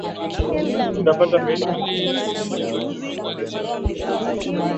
tunapata faida gani za kiafya kutokana na viazi lishe